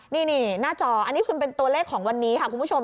นี่หน้าจออันนี้คือเป็นตัวเลขของวันนี้ค่ะคุณผู้ชม